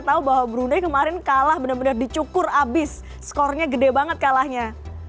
tahu bahwa brunei kemarin kalah bener bener dicukur abis skornya gede banget kalahnya